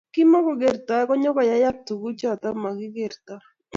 Kimagogertoi kingoyayak tuguk choto magigertoi